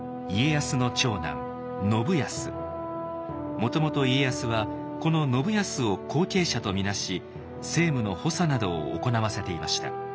もともと家康はこの信康を後継者と見なし政務の補佐などを行わせていました。